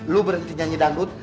lu berhenti nyanyi dambut